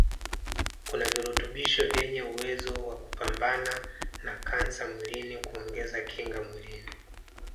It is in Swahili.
kuna virutubisho vyenye uwezo wa kupambana na kansa mwilini kuongeza kinga mwilini